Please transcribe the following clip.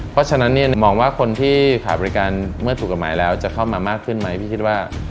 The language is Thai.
เพราะฉะนั้นเนี่ยมองว่าคนที่ขายบริการเมื่อถูกกฎหมายแล้วจะเข้ามามากขึ้นไหมพี่คิดว่า